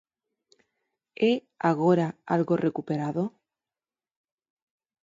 É agora algo recuperado?